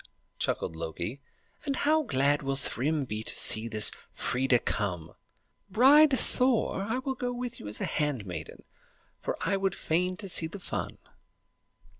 chuckled Loki; "and how glad will Thrym be to see this Freia come! Bride Thor, I will go with you as your handmaiden, for I would fain see the fun."